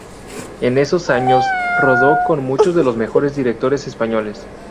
En esos años rodó con muchos de los mejores directores españoles.